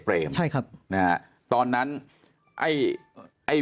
เพราะอาชญากรเขาต้องปล่อยเงิน